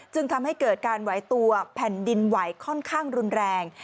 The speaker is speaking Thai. จึงทำให้เกิดการไหวตัวแผ่นดินไหวค่อนข้างรุนแรง